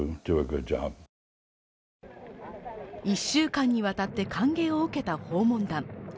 １週間にわたって歓迎を受けた訪問団。